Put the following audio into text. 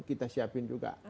kita siapkan juga